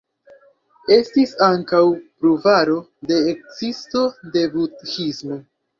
Estis ankaŭ pruvaro de ekzisto de Budhismo.